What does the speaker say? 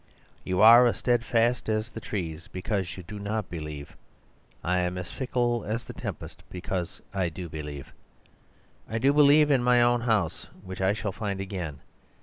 You are steadfast as the trees because you do not believe. I am as fickle as the tempest because I do believe. I do believe in my own house, which I shall find again.